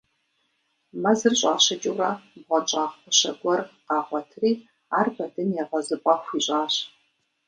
Мэзыр щӀащыкӀыурэ, бгъуэнщӀагъ гъущэ гуэр къагъуэтри ар Бэдын егъэзыпӀэ хуищӀащ.